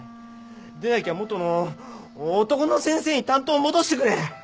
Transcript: でなきゃ元の男の先生に担当を戻してくれ！